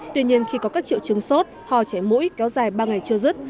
tuy nhiên khi có các triệu chứng sốt hò chảy mũi kéo dài ba ngày chưa dứt